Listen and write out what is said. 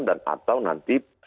dan atau nanti